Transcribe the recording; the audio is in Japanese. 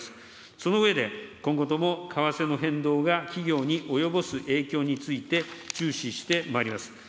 その上で、今後とも為替の変動が企業に及ぼす影響について、注視してまいります。